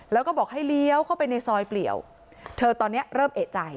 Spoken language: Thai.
แล้วก็บอกให้เลี้ยวเข้าไปในซอยเปลี่ยวเธอตอนนี้เริ่มเอกใจ